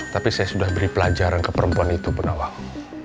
tapi saya sudah beri pelajaran ke perempuan itu pada waktu